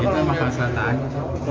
itu emang rasa tanya